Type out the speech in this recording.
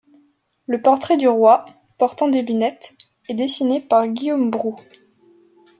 Le portrait du roi, portant des lunettes, est dessiné par Guillaume Broux.